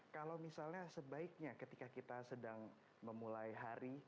kalau misalnya sebaiknya ketika kita sedang memulai hari